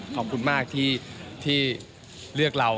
ขอบคุณมากที่เลือกเรา